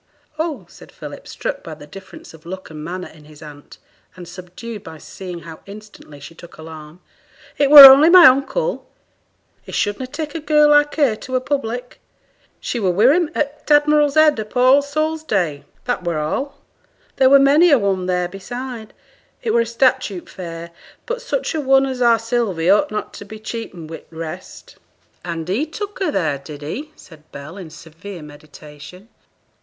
'Oh,' said Philip, struck by the difference of look and manner in his aunt, and subdued by seeing how instantly she took alarm. 'It were only my uncle; he should na' take a girl like her to a public. She were wi' him at t' "Admiral's Head" upo' All Souls' Day that were all. There were many a one there beside, it were statute fair; but such a one as our Sylvie ought not to be cheapened wi' t' rest.' 'And he took her there, did he?' said Bell, in severe meditation.